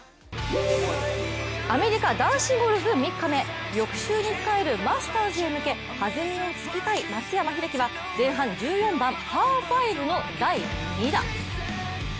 アメリカ男子ゴルフ３日目翌週に控えるマスターズへ向けはずみをつけたい松山英樹は前半１４番パー５の第２打。